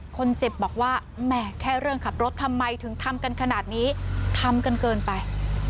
คนเจ็บบอกว่าแหมแค่เรื่องขับรถทำไมถึงทำกันขนาดนี้ทำกันเกินไป